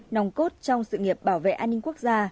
nòng cốt trong sự nghiệp bảo vệ an ninh quốc gia